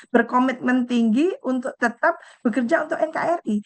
berkomitmen tinggi untuk tetap bekerja untuk nkri